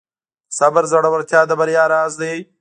د صبر زړورتیا د بریا راز دی.